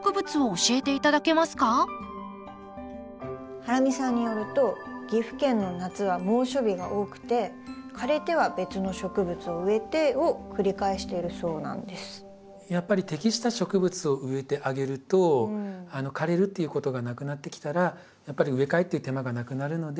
ハラミさんによるとやっぱり適した植物を植えてあげると枯れるっていうことがなくなってきたらやっぱり植え替えっていう手間がなくなるので。